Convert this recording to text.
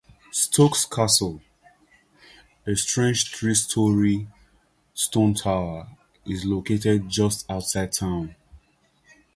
Stokes Castle, a strange three-story stone tower, is located just outside town.